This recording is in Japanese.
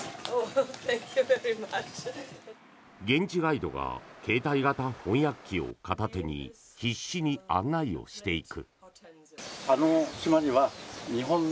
現地ガイドが携帯型翻訳機を片手に必死に案内をしていく。